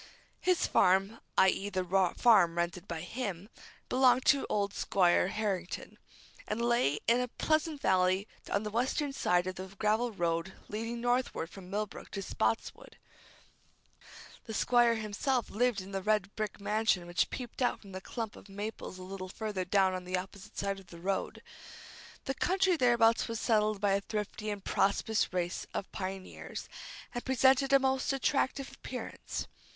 His farm i.e., the farm rented by him belonged to old Squire Harrington, and lay in a pleasant valley on the western side of the gravel road leading northward from Millbrook to Spotswood. The Squire himself lived in the red brick mansion which peeped out from the clump of maples a little further down on the opposite side of the road. The country thereabouts was settled by a thrifty and prosperous race of pioneers, and presented a most attractive appearance.